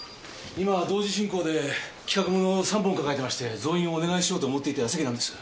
今は同時進行で企画ものを３本抱えてまして増員をお願いしようと思っていた矢先なんです。